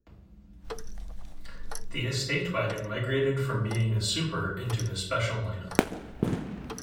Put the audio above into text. The Estate Wagon migrated from being a Super into the Special lineup.